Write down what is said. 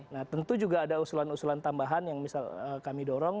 nah tentu juga ada usulan usulan tambahan yang bisa kami dorong